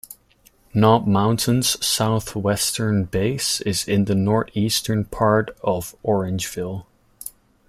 Knob Mountain's southwestern base is in the northeastern part of Orangeville.